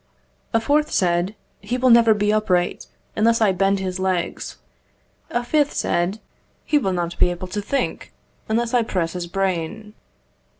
A fourth said "He will never be upright, unless I bend his legs." A fifth said "He will not be able to think, unless I press his brain."